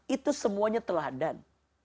itu semuanya telah hadan